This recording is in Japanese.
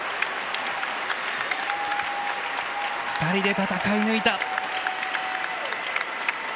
２人で戦い抜いた！